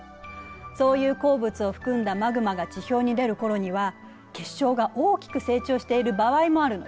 そういう鉱物を含んだマグマが地表に出る頃には結晶が大きく成長している場合もあるのよ。